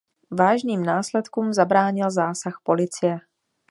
Vážným následkům zabránil zásah policie.